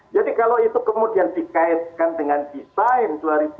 jadi kalau itu kemudian dikaitkan dengan desain dua ribu dua puluh empat